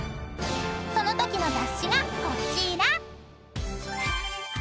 ［そのときの雑誌がこちら］